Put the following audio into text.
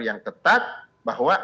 yang ketat bahwa